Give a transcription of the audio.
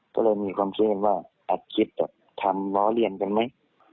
ก็เลยมีความคิดว่าไอ้คลิปแบบทำล้อเลียนจังไหม